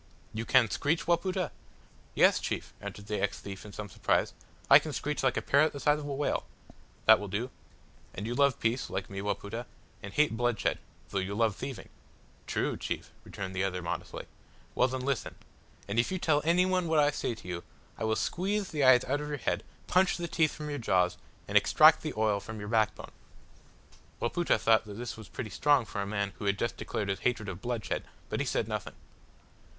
"You can screech, Wapoota?" "Yes, chief," answered the ex thief in some surprise, "I can screech like a parrot the size of a whale." "That will do. And you love peace, like me, Wapoota, and hate bloodshed, though you love thieving." "True, chief," returned the other, modestly. "Well then, listen and if you tell any one what I say to you, I will squeeze the eyes out of your head, punch the teeth from your jaws, and extract the oil from your backbone." Wapoota thought that this was pretty strong for a man who had just declared his hatred of bloodshed, but he said nothing.